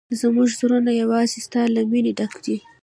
زموږ زړونه یوازې ستا له مینې ډک دي.